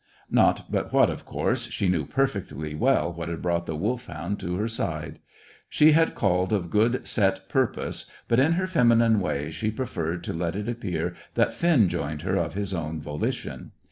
Not but what, of course, she knew perfectly well what had brought the Wolfhound to her side. She had called of good set purpose, but, in her feminine way, she preferred to let it appear that Finn joined her of his own volition.